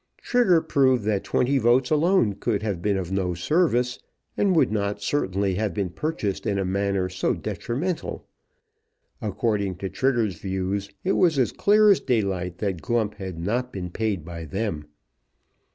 Trigger proved that twenty votes alone could have been of no service, and would not certainly have been purchased in a manner so detrimental. According to Trigger's views it was as clear as daylight that Glump had not been paid by them.